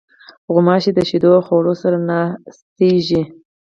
غوماشې د شیدو او خوړو سره ناستېږي.